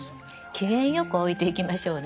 機嫌よく老いていきましょうね。